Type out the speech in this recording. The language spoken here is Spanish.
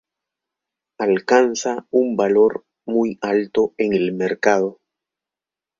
Alcanza un valor muy alto en el mercado.